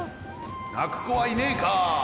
なくこはいねえか！